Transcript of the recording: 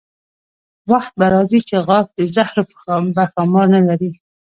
وخت به راځي چې غاښ د زهرو به ښامار نه لري.